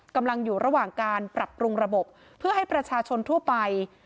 กำลังอยู่ระหว่างการปรับปรุงระบบเพื่อให้ประชาชนทั่วไป